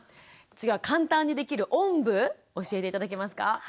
次は簡単にできるおんぶ教えて頂けますか？